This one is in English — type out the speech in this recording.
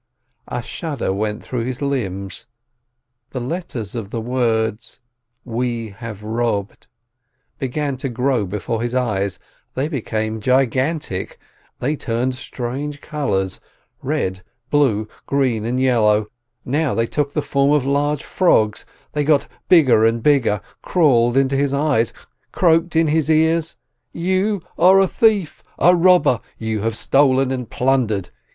A shudder went through his limbs, the letters of the words "we have robbed" began to grow before his eyes, they became gigantic, they turned strange colors — red, blue, green, and yellow — now they took the form of large frogs — they got bigger and bigger, crawled into his eyes, croaked in his ears : You are a thief, a robber, you have stolen and plundered